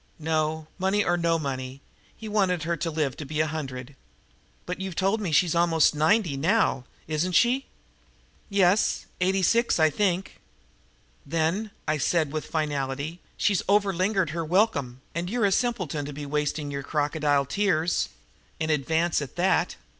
No, money or no money, he wanted her to live to be a hundred. "But you've told me she's almost ninety now! Isn't she?" "Yes, eighty six, I think." "Then," I said with finality, "she's overlingered her welcome, and you're a simpleton to be wasting your crocodile tears in advance, at that.